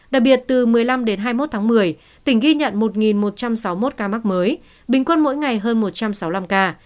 đặc biệt từ một mươi năm đến hai mươi một tháng một mươi tỉnh ghi nhận một một trăm sáu mươi một ca mắc mới bình quân mỗi ngày hơn một trăm sáu mươi năm ca